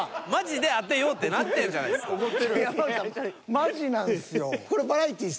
マジなんすよ。